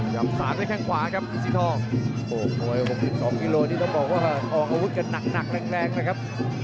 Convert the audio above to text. สากด้วยแข้งขวาครับสีทองโอ้โหมวย๖๒กิโลนี่ต้องบอกว่าออกอาวุธกันหนักแรงนะครับ